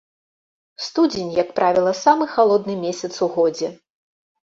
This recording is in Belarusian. Студзень, як правіла, самы халодны месяц у годзе.